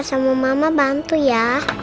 sama mama bantu ya